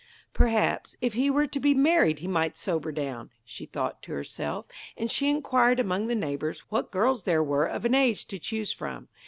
'Perhaps, if he were to be married he might sober down,' she thought to herself. And she inquired among the neighbours what girls there were of an age to choose from.